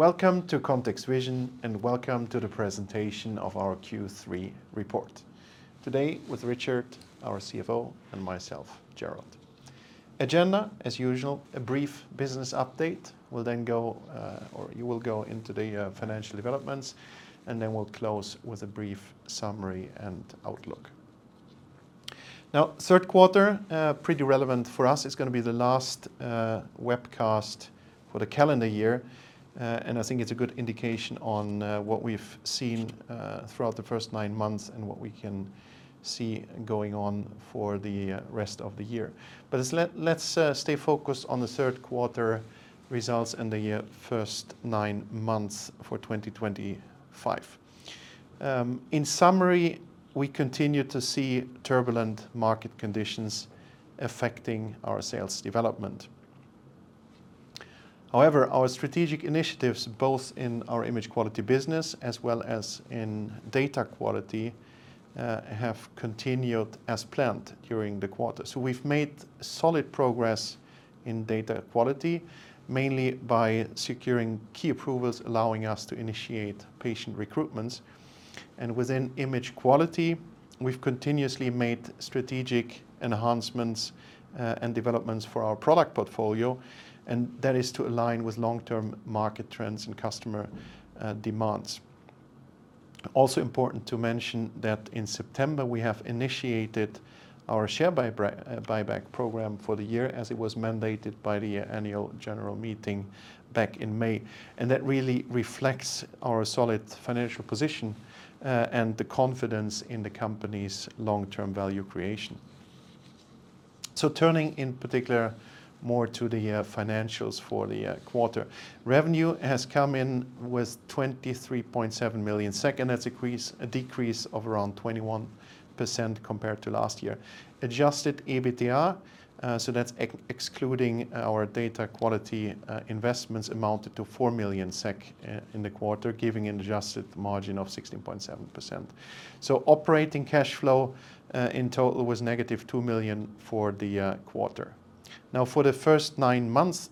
Welcome to ContextVision, and welcome to the presentation of our Q3 report. Today, with Richard, our CFO, and myself, Gerald. Agenda, as usual, a brief business update. We'll then go, or you will go, into the financial developments, and then we'll close with a brief summary and outlook. Now, third quarter, pretty relevant for us. It's going to be the last webcast for the calendar year, and I think it's a good indication on what we've seen throughout the first nine months and what we can see going on for the rest of the year, but let's stay focused on the third quarter results and the first nine months for 2025. In summary, we continue to see turbulent market conditions affecting our sales development. However, our strategic initiatives, both in our Image Quality business as well as in Data Quality, have continued as planned during the quarter. We’ve made solid progress in Data Quality, mainly by securing key approvals allowing us to initiate patient recruitments. Within Image Quality, we’ve continuously made strategic enhancements and developments for our product portfolio, and that is to align with long-term market trends and customer demands. It is also important to mention that in September, we initiated our share buyback program for the year, as it was mandated by the Annual General Meeting back in May. That really reflects our solid financial position and the confidence in the company’s long-term value creation. Turning in particular more to the financials for the quarter, revenue has come in with 23.7 million, and that’s a decrease of around 21% compared to last year. Adjusted EBITDA, so that’s excluding our Data Quality investments, amounted to 4 million SEK in the quarter, giving an adjusted margin of 16.7%. So operating cash flow in total was -2 million SEK for the quarter. Now, for the first nine months,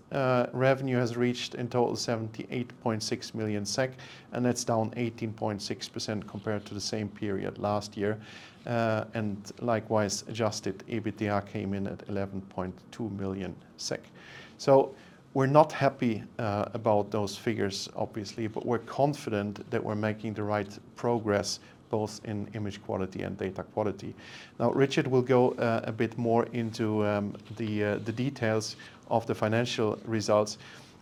revenue has reached in total 78.6 million SEK, and that's down 18.6% compared to the same period last year. And likewise, Adjusted EBITDA came in at 11.2 million SEK. So, we're not happy about those figures, obviously, but we're confident that we're making the right progress both in Image Quality and Data Quality. Now, Richard will go a bit more into the details of the financial results.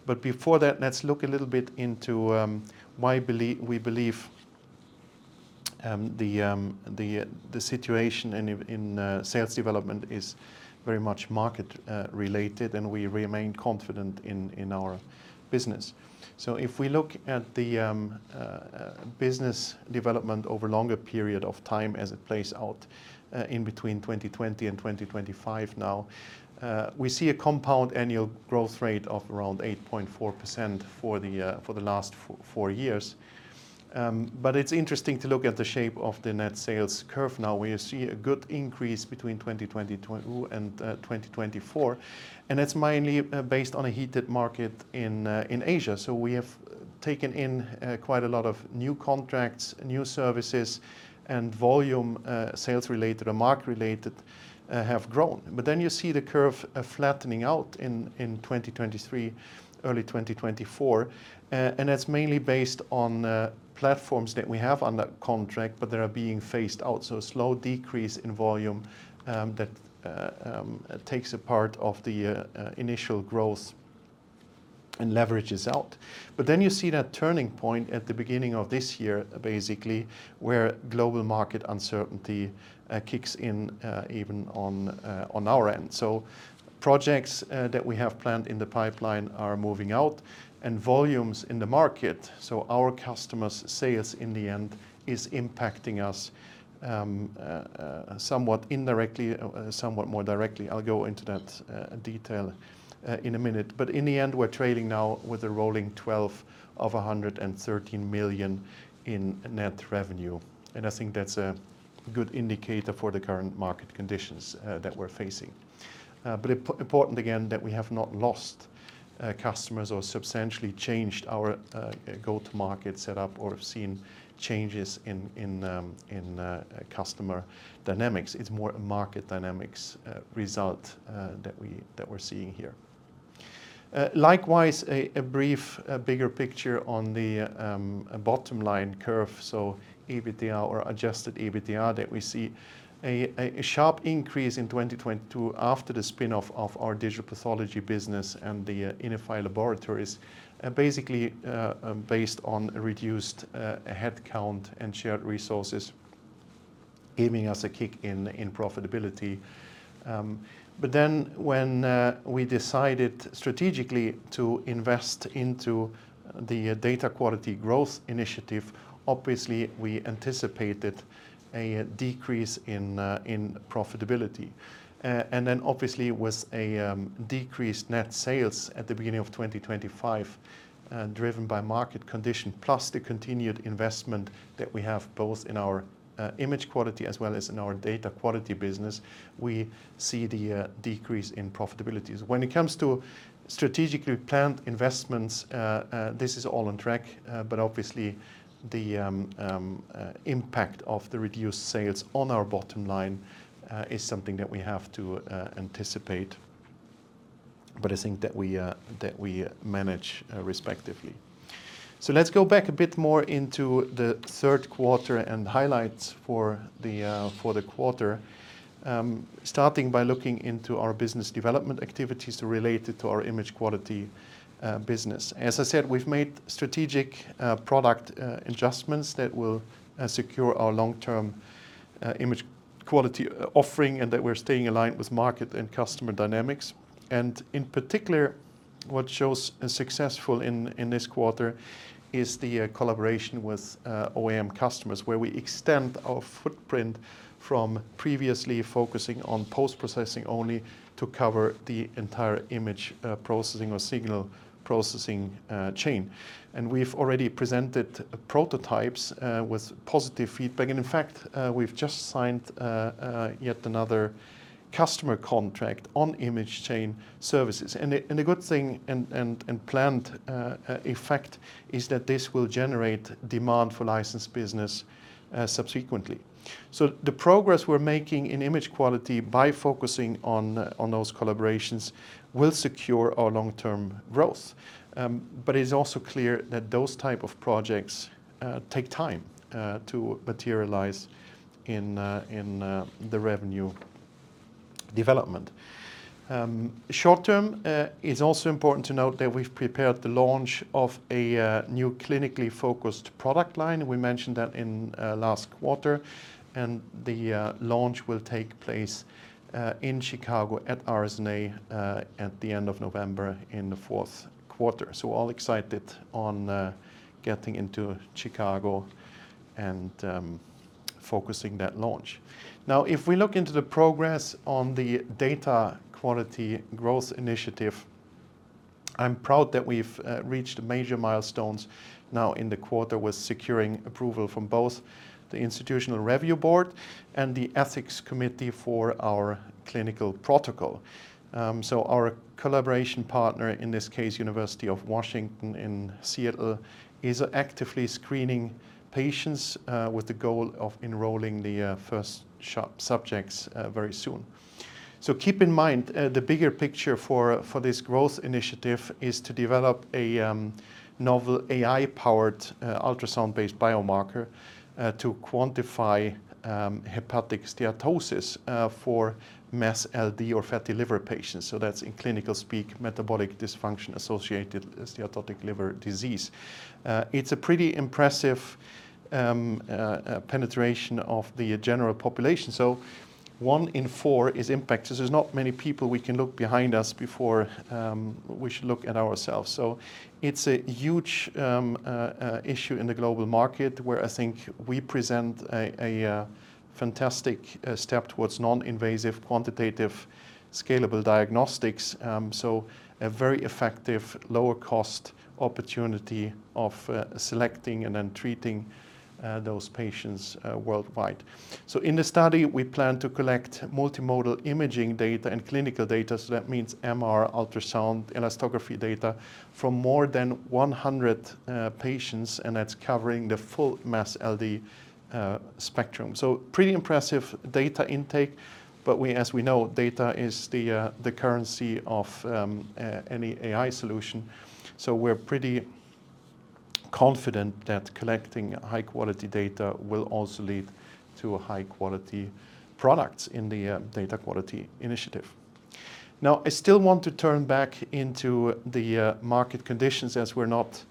But before that, let's look a little bit into why we believe the situation in sales development is very much market-related, and we remain confident in our business. So if we look at the business development over a longer period of time as it plays out in between 2020 and 2025 now, we see a compound annual growth rate of around 8.4% for the last four years. But it's interesting to look at the shape of the net sales curve now, where you see a good increase between 2022 and 2024. And that's mainly based on a heated market in Asia. So we have taken in quite a lot of new contracts, new services, and volume sales related or market related have grown. But then you see the curve flattening out in 2023, early 2024. And that's mainly based on platforms that we have under contract, but that are being phased out. So a slow decrease in volume that takes a part of the initial growth and leverages out. But then you see that turning point at the beginning of this year, basically, where global market uncertainty kicks in even on our end. So projects that we have planned in the pipeline are moving out, and volumes in the market, so our customers' sales in the end, is impacting us somewhat indirectly, somewhat more directly. I'll go into that detail in a minute. But in the end, we're trading now with a rolling 12 of 113 million in net revenue. And I think that's a good indicator for the current market conditions that we're facing. But important, again, that we have not lost customers or substantially changed our go-to-market setup or have seen changes in customer dynamics. It's more a market dynamics result that we're seeing here. Likewise, a brief bigger picture on the bottom-line curve. EBITDA or Adjusted EBITDA shows a sharp increase in 2022 after the spin-off of our Digital Pathology business and INIFY Laboratories, basically based on reduced headcount and shared resources, giving us a kick in profitability. But then when we decided strategically to invest into the Data Quality growth initiative, obviously, we anticipated a decrease in profitability. And then, obviously, with a decreased net sales at the beginning of 2025, driven by market condition, plus the continued investment that we have both in our Image Quality as well as in our Data Quality business, we see the decrease in profitability. So when it comes to strategically planned investments, this is all on track. But obviously, the impact of the reduced sales on our bottom line is something that we have to anticipate. But I think that we manage respectively. So let's go back a bit more into the third quarter and highlights for the quarter, starting by looking into our business development activities related to our Image Quality business. As I said, we've made strategic product adjustments that will secure our long-term Image Quality offering and that we're staying aligned with market and customer dynamics, and in particular, what shows successful in this quarter is the collaboration with OEM customers, where we extend our footprint from previously focusing on post-processing only to cover the entire image processing or signal processing chain, and we've already presented prototypes with positive feedback, and in fact, we've just signed yet another customer contract on image chain services, and the good thing and planned effect is that this will generate demand for licensed business subsequently, so the progress we're making in Image Quality by focusing on those collaborations will secure our long-term growth. But it's also clear that those types of projects take time to materialize in the revenue development. Short-term, it's also important to note that we've prepared the launch of a new clinically focused product line. We mentioned that in last quarter. And the launch will take place in Chicago at RSNA at the end of November in the fourth quarter. So all excited on getting into Chicago and focusing that launch. Now, if we look into the progress on the Data Quality growth initiative, I'm proud that we've reached major milestones now in the quarter with securing approval from both the Institutional Review Board and the Ethics Committee for our clinical protocol. So our collaboration partner, in this case, University of Washington in Seattle, is actively screening patients with the goal of enrolling the first subjects very soon. So keep in mind, the bigger picture for this growth initiative is to develop a novel AI-powered ultrasound-based biomarker to quantify hepatic steatosis for MASLD or fatty liver patients. So that's in clinical speak, metabolic dysfunction-associated steatotic liver disease. It's a pretty impressive penetration of the general population. So one in four is impacted. There's not many people we can look behind us before we should look at ourselves. So it's a huge issue in the global market, where I think we present a fantastic step towards non-invasive, quantitative, scalable diagnostics. So a very effective, lower-cost opportunity of selecting and then treating those patients worldwide. So in the study, we plan to collect multimodal imaging data and clinical data. So that means MR, ultrasound, elastography data from more than 100 patients, and that's covering the full MASLD spectrum. So pretty impressive data intake. But as we know, data is the currency of any AI solution. So we're pretty confident that collecting high-quality data will also lead to high-quality products in the Data Quality initiative. Now, I still want to turn back into the market conditions as we're not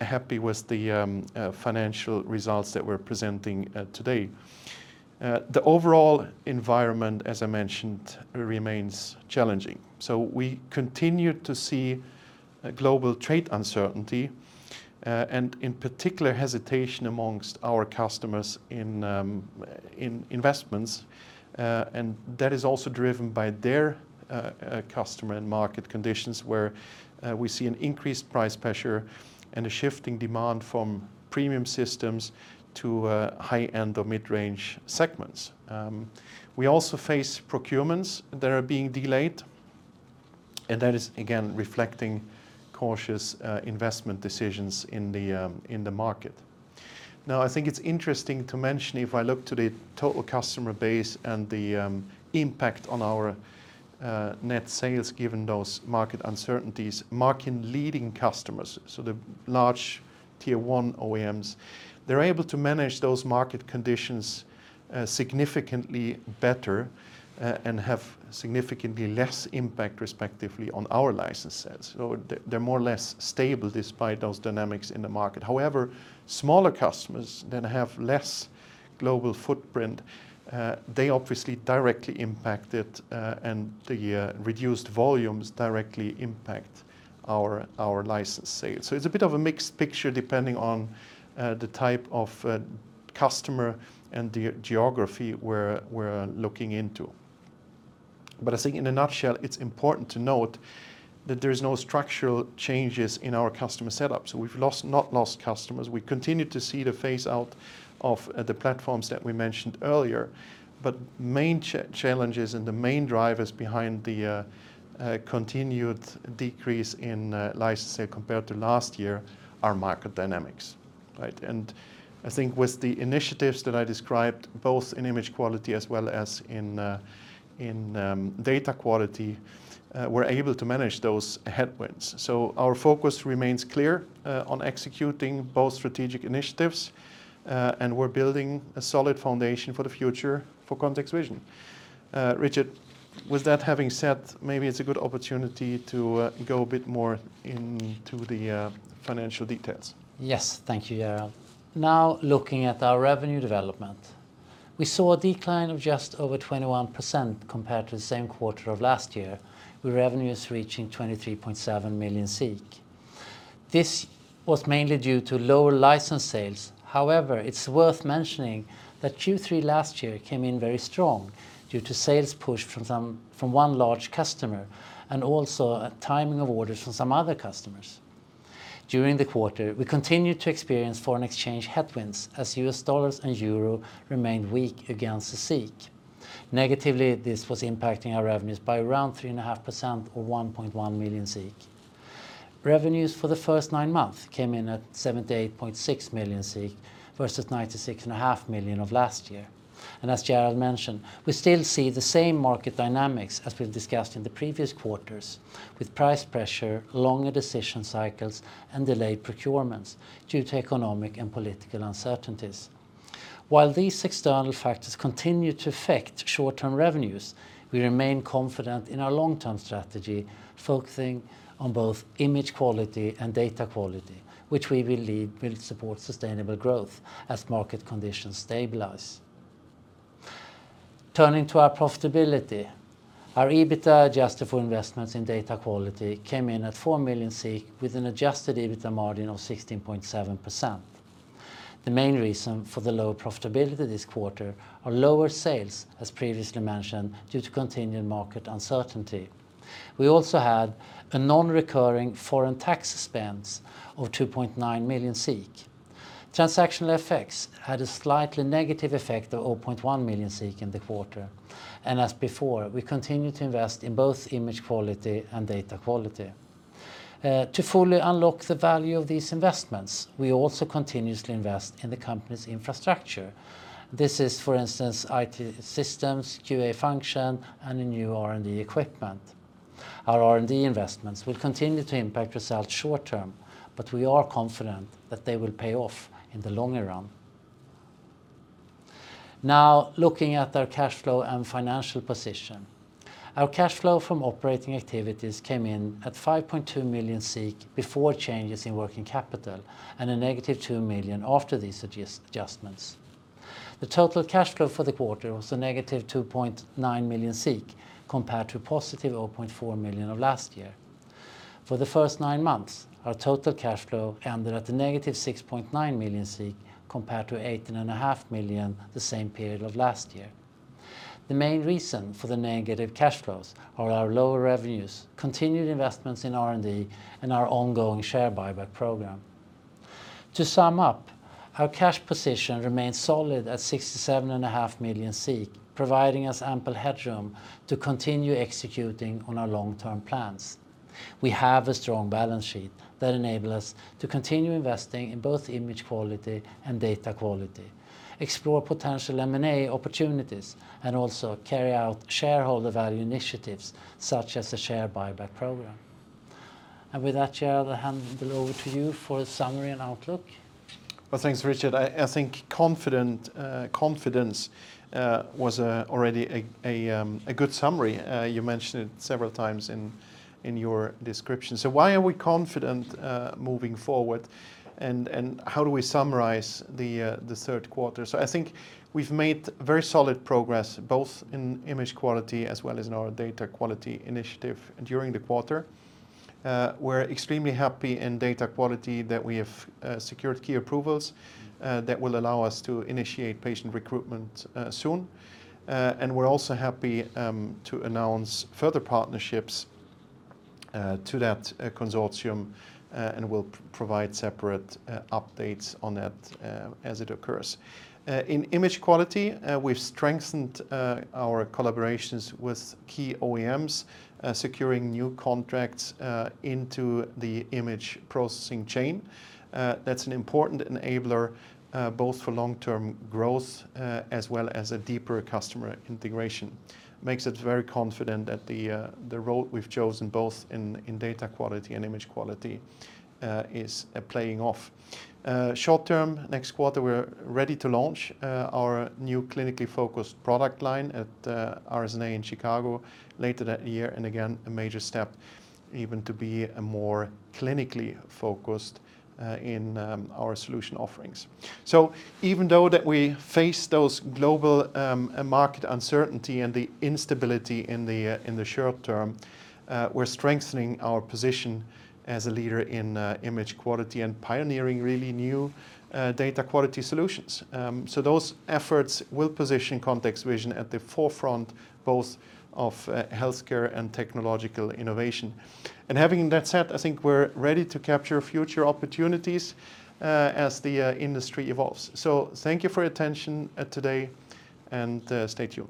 happy with the financial results that we're presenting today. The overall environment, as I mentioned, remains challenging. So we continue to see global trade uncertainty and, in particular, hesitation amongst our customers in investments. And that is also driven by their customer and market conditions, where we see an increased price pressure and a shifting demand from premium systems to high-end or mid-range segments. We also face procurements that are being delayed, and that is, again, reflecting cautious investment decisions in the market. Now, I think it's interesting to mention, if I look to the total customer base and the impact on our net sales, given those market uncertainties, market-leading customers, so the large Tier 1 OEMs, they're able to manage those market conditions significantly better and have significantly less impact, respectively, on our license sales. So they're more or less stable despite those dynamics in the market. However, smaller customers that have less global footprint, they obviously directly impact it, and the reduced volumes directly impact our license sales. So it's a bit of a mixed picture depending on the type of customer and the geography we're looking into. But I think, in a nutshell, it's important to note that there are no structural changes in our customer setup. So we've not lost customers. We continue to see the phase-out of the platforms that we mentioned earlier. But main challenges and the main drivers behind the continued decrease in license sales compared to last year are market dynamics. And I think with the initiatives that I described, both in Image Quality as well as in Data Quality, we're able to manage those headwinds. So our focus remains clear on executing both strategic initiatives, and we're building a solid foundation for the future for ContextVision. Richard, with that having said, maybe it's a good opportunity to go a bit more into the financial details. Yes. Thank you, Gerald. Now, looking at our revenue development, we saw a decline of just over 21% compared to the same quarter of last year, with revenues reaching 23.7 million. This was mainly due to lower license sales. However, it's worth mentioning that Q3 last year came in very strong due to sales push from one large customer and also timing of orders from some other customers. During the quarter, we continued to experience foreign exchange headwinds as U.S. dollars and euro remained weak against the SEK. Negatively, this was impacting our revenues by around 3.5% or 1.1 million. Revenues for the first nine months came in at 78.6 million versus 96.5 million of last year, and as Gerald mentioned, we still see the same market dynamics as we've discussed in the previous quarters, with price pressure, longer decision cycles, and delayed procurements due to economic and political uncertainties. While these external factors continue to affect short-term revenues, we remain confident in our long-term strategy, focusing on both Image Quality and Data Quality, which we believe will support sustainable growth as market conditions stabilize. Turning to our profitability, our EBITDA adjusted for investments in Data Quality came in at 4 million with an adjusted EBITDA margin of 16.7%. The main reason for the low profitability this quarter are lower sales, as previously mentioned, due to continued market uncertainty. We also had a non-recurring foreign tax expense of 2.9 million. Transactional effects had a slightly negative effect of 0.1 million in the quarter, and as before, we continue to invest in both Image Quality and Data Quality. To fully unlock the value of these investments, we also continuously invest in the company's infrastructure. This is, for instance, IT systems, QA function, and new R&D equipment. Our R&D investments will continue to impact results short-term, but we are confident that they will pay off in the longer run. Now, looking at our cash flow and financial position, our cash flow from operating activities came in at 5.2 million before changes in working capital and a -2 million after these adjustments. The total cash flow for the quarter was a -2.9 million compared to +0.4 million of last year. For the first nine months, our total cash flow ended at a -6.9 million compared to 18.5 million the same period of last year. The main reason for the negative cash flows are our lower revenues, continued investments in R&D, and our ongoing share buyback program. To sum up, our cash position remains solid at 67.5 million, providing us ample headroom to continue executing on our long-term plans. We have a strong balance sheet that enables us to continue investing in both Image Quality and Data Quality, explore potential M&A opportunities, and also carry out shareholder value initiatives such as the share buyback program, and with that, Gerald, I hand it over to you for a summary and outlook. Well, thanks, Richard. I think confidence was already a good summary. You mentioned it several times in your description. So why are we confident moving forward? And how do we summarize the third quarter? So I think we've made very solid progress both in Image Quality as well as in our Data Quality initiative during the quarter. We're extremely happy in Data Quality that we have secured key approvals that will allow us to initiate patient recruitment soon. And we're also happy to announce further partnerships to that consortium and will provide separate updates on that as it occurs. In Image Quality, we've strengthened our collaborations with key OEMs, securing new contracts into the image processing chain. That's an important enabler both for long-term growth as well as a deeper customer integration. Makes us very confident that the route we've chosen, both in Data Quality and Image Quality, is paying off. Short-term, next quarter, we're ready to launch our new clinically focused product line at RSNA in Chicago later that year. And again, a major step even to be more clinically focused in our solution offerings. So even though we face those global market uncertainty and the instability in the short term, we're strengthening our position as a leader in Image Quality and pioneering really new Data Quality solutions. So those efforts will position ContextVision at the forefront both of healthcare and technological innovation. Having that said, I think we're ready to capture future opportunities as the industry evolves. Thank you for your attention today, and stay tuned.